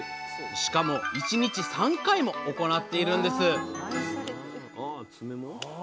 しかも１日３回も行っているんです